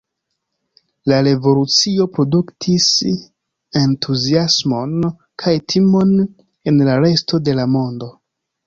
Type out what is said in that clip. La revolucio produktis entuziasmon kaj timon en la resto de la mondo.